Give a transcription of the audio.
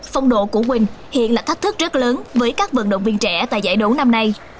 phong độ của quỳnh hiện là thách thức rất lớn với các vận động viên trẻ tại giải đấu năm nay